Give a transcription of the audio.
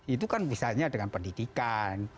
itu kan misalnya dengan pendidikan